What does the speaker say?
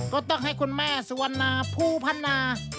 ก็ต้องให้คุณแม่สวรรณาภูพรรณา